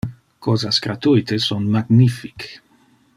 Cosas gratuite son magnific.